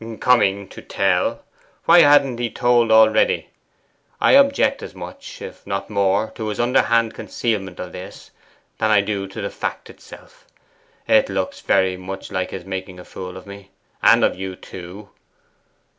'COMING to tell! Why hadn't he already told? I object as much, if not more, to his underhand concealment of this, than I do to the fact itself. It looks very much like his making a fool of me, and of you too.